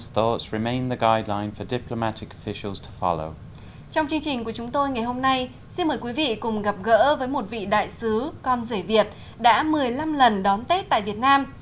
trong chương trình của chúng tôi ngày hôm nay xin mời quý vị cùng gặp gỡ với một vị đại sứ con rể việt đã một mươi năm lần đón tết tại việt nam